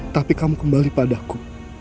tapi kamu kembali padaku